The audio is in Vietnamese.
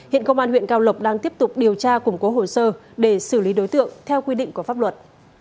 hiện công an huyện cao lộc đang tiếp tục điều tra củng cố hồ sơ để xử lý đối tượng theo quy định của pháp luật